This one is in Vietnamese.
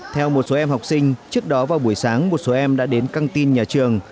theo một số em học sinh trước đó vào buổi sáng một số em đã đến căng tin nhà trường